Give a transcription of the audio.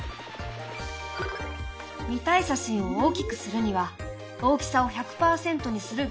見たい写真を大きくするには「大きさを１００％にする」